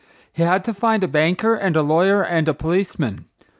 He had to find a banker and a lawyer and a policeman.